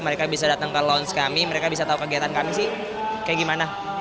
mereka bisa datang ke lounge kami mereka bisa tahu kegiatan kami sih kayak gimana